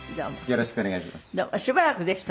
よろしくお願いします。